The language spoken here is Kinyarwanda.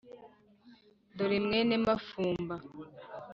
dore mwene mafumba